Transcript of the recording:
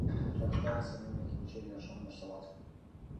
Чет жакта сенин экинчи жашооң башталат.